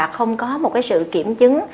không có một cái sự kiểm chứng